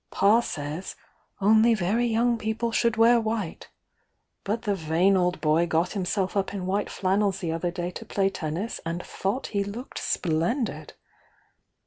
Pa says 'only very young people should wear white'— but the vain old boy got himself up in white flannels the other day to play tennis and thought he looked splendid!